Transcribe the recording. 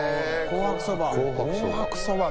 紅白そば。